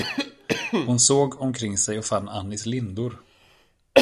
Hon såg omkring sig och fann Annis lindor.